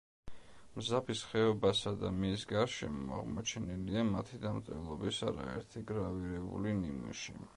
მზაბის ხეობასა და მის გარშემო აღმოჩენილია მათი დამწერლობის არაერთი გრავირებული ნიმუში.